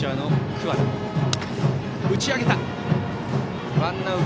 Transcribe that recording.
打ち上げた。